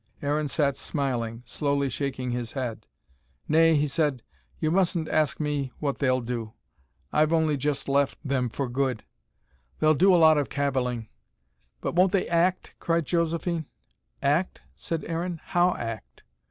Aaron sat smiling, slowly shaking his head. "Nay," he said, "you mustn't ask me what they'll do I've only just left them, for good. They'll do a lot of cavilling." "But won't they ACT?" cried Josephine. "Act?" said Aaron. "How, act?"